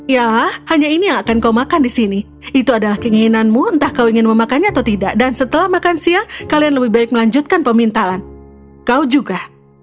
ya hanya ini yang akan kau makan di sini itu adalah keinginanmu entah kau ingin memakannya atau tidak dan setelah makan siang kalian lebih baik melanjutkan pemintalan kau juga